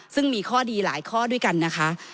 ซึ่งมีข้อดีหลายข้อด้วยกันนะคะ